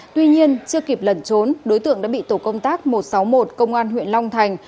tuy nhiên chưa kịp lẩn trốn đối tượng đã bị tổ công tác một trăm sáu mươi một công an huyện long thành